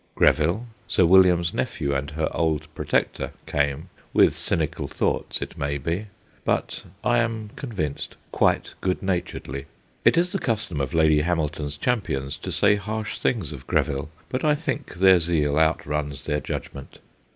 Greville, Sir William's nephew and her old ' protector/ came, with cynical thoughts, it may be, but (I am con vinced) quite good naturedly. It is the custom of Lady Hamilton's champions to say harsh things of Greville, but I think their zeal outruns their judgment.